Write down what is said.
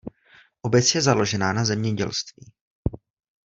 Obec je založená na zemědělství.